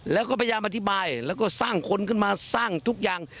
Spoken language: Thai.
แล้วก็พยายามอธิบายแล้วก็สร้างคนขึ้นมาสร้างทุกอย่าง